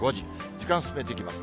時間進めていきます。